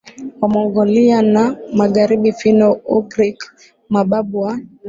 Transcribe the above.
Wamongolia na magharibi Finno Ugric mababu wa